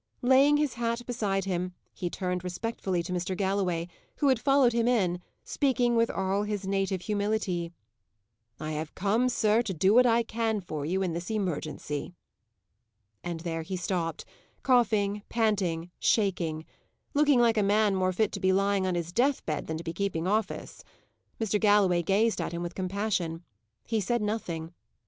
Laying his hat beside him, he turned respectfully to Mr. Galloway, who had followed him in, speaking with all his native humility: "I have come, sir, to do what I can for you in this emergency." And there he stopped coughing, panting, shaking; looking like a man more fit to be lying on his death bed than to be keeping office. Mr. Galloway gazed at him with compassion. He said nothing.